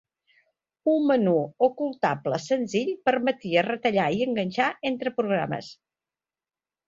Un menú ocultable senzill permetia retallar i enganxar entre programes.